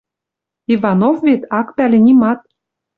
Иванов вет ак пӓлӹ нимат.